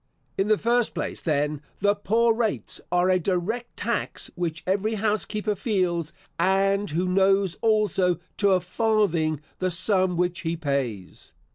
In the first place, then, the poor rates are a direct tax which every house keeper feels, and who knows also, to a farthing, the sum which he pays.